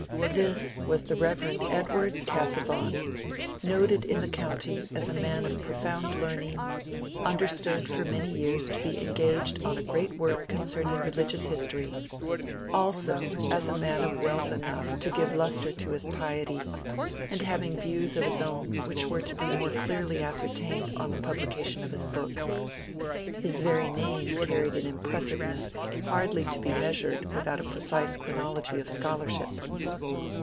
This was the Reverend Edward Casaubon, noted in the county as a man of profound learning, understood for many years to be engaged on a great work concerning religious history; also as a man of wealth enough to give lustre to his piety, and having views of his own which were to be more clearly ascertained on the publication of his book. His very name carried an impressiveness hardly to be measured without a precise chronology of scholarship.